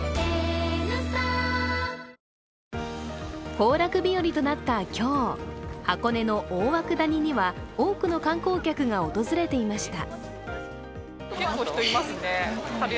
行楽日和となった今日、箱根の大涌谷には多くの観光客が訪れていました。